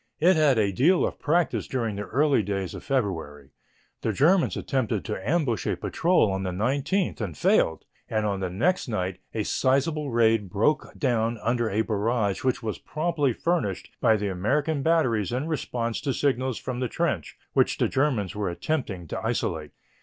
It had a deal of practice during the early days of February. The Germans attempted to ambush a patrol on the 19th and failed, and on the next night a sizable raid broke down under a barrage which was promptly furnished by the American batteries in response to signals from the trench which the Germans were attempting to isolate.